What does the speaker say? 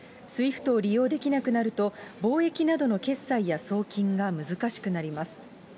ＳＷＩＦＴを利用できなくなると、貿易などの決済や送金が難しくなります。